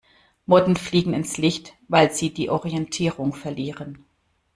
Motten fliegen ins Licht, weil sie die Orientierung verlieren.